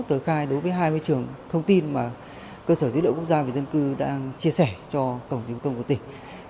tờ khai đối với hai mươi trường thông tin mà cơ sở dữ liệu quốc gia và dân cư đang chia sẻ cho tổng thủ công của tỉnh